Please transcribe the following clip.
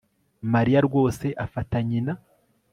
Mariya rwose afata nyina